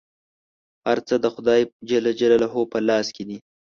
هر څه د خدای په لاس کي دي .